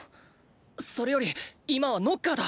それより今はノッカーだ！